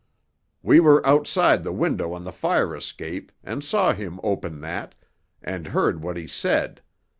We were outside the window on the fire escape, and saw him open that, and heard what he said.